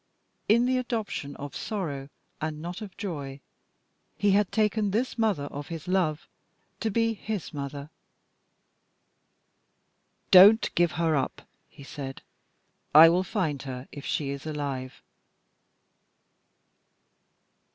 In the adoption of sorrow, and not of joy, he had taken this mother of his love to be his mother. "Don't give her up," he said. "I will find her if she is alive."